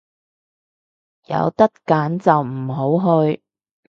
有得揀就唔好去